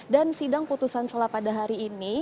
dan sidang putusan selah pada hari ini